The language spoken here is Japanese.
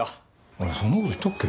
俺そんなこと言ったっけ？